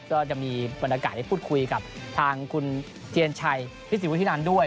ก็จะมีบรรยากาศได้พูดคุยกับทางคุณเทียนชัยพิสิวุฒินันด้วย